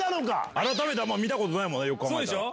改めて見たことないもんねよく考えたら。